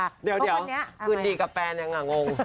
เดี๋ยวคืนดีกับแฟนยังอ่ะงง